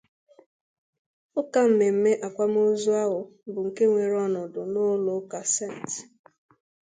Ụka mmemme akwamozu ahụ bụ nke weere ọnọdụ n'ụlọ ụka 'St